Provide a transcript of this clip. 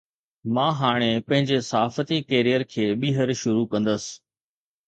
مان هاڻي پنهنجي صحافتي ڪيريئر کي ٻيهر شروع ڪندس